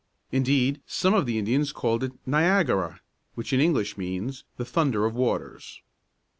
Indeed, some of the Indians called it Ni ag´a ra, which in English means "The Thunder of Waters."